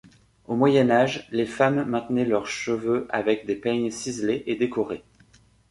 Au Moyen Âge, les femmes maintenaient leurs cheveux avec des peignes ciselés et décorés.